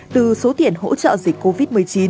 từ số tiền hỗ trợ dịch covid một mươi chín